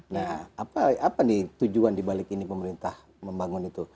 nah apa nih tujuan dibalik ini pemerintah membangun itu